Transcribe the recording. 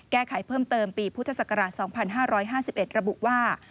แก้ไขเพิ่มเติมปีพุทธศักราช๒๕๕๑ระบุว่า